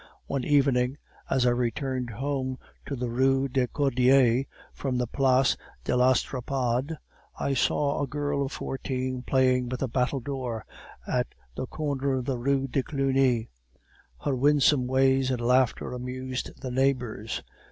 One evening, as I returned home to the Rue des Cordiers from the Place de l'Estrapade, I saw a girl of fourteen playing with a battledore at the corner of the Rue de Cluny, her winsome ways and laughter amused the neighbors.